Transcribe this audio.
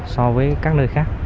so với các nơi khác